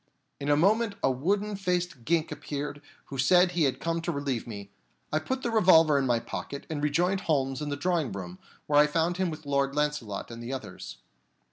In a moment a wooden faced gink appeared, who said he had come to relieve me. I put the revolver in my pocket and rejoined Holmes in the drawing room, where I found him with Lord Launcelot and the others.